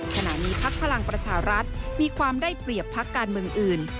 ขณะนี้พักพลังประชารัฐมีความได้เปรียบพักการเมืองอื่น